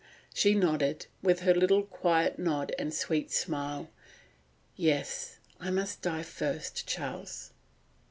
She nodded, with her little quiet nod and sweet smile, 'Yes, I must die first, Charles.